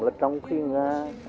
là trong khi nga